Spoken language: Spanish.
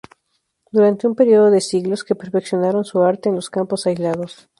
Durante un período de siglos, que perfeccionaron su arte en los campos aislados.